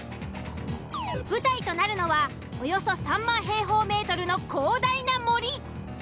舞台となるのはおよそ３０，０００平方メートルの広大な森。